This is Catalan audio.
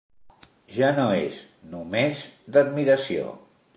Ja no és, només, d'admiració.